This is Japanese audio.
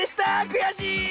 くやしい！